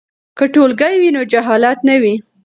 که ټولګی وي نو جهالت نه وي.